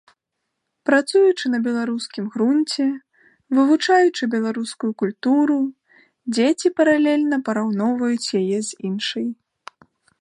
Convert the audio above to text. Працуючы на беларускім грунце, вывучаючы беларускую культуру, дзеці паралельна параўноўваюць яе з іншай.